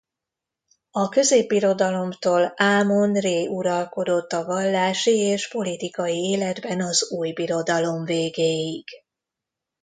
A Középbirodalomtól Ámon-Ré uralkodott a vallási és politikai életben az Újbirodalom végéig.